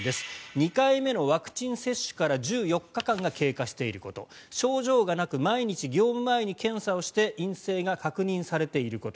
２回目のワクチン接種から１４日間が経過していること症状がなく毎日業務前に検査して陰性が確認されていること。